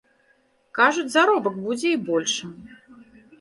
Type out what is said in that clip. Кажуць, заробак будзе і большым.